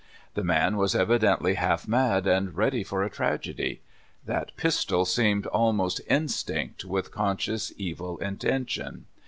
The man was evidently half mad, and ready for a tragedy. That pistol seemed almost instinct with conscious evil intention.